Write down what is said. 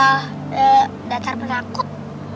eh datar penangkut